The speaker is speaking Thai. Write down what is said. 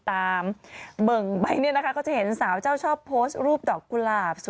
เบิ่งไปเนี่ยนะคะก็จะเห็นสาวเจ้าชอบโพสต์รูปดอกกุหลาบ